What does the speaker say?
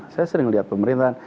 saya sering lihat pemerintahan